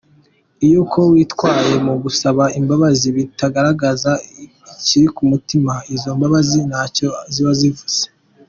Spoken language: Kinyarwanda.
Iyo uko witwaye mugusaba imbabazi bitagaragaza ikikuri ku mutima izo mbabazi ntacyo ziba zivuze.